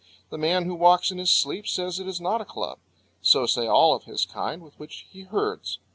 The man who walks in his sleep says it is not a club. So say all of his kind with which he herds.